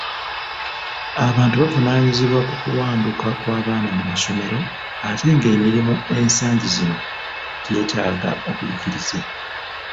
Abantu buvunaanyizibwa ku kuwanduka kw'abaana mu masomero ate nga emirimu ensangi zino gyeetaaga buyigirize.